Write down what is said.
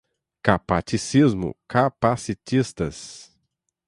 Capaticismo, capacitistas